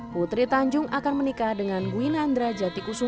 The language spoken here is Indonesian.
putri tanjung akan menikah dengan gwinandra jatikusu